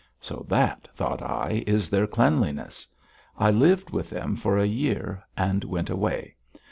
So that, thought I, is their cleanliness! I lived with them for a year and went away.